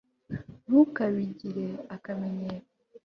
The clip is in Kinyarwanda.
ntukabigire akamenyero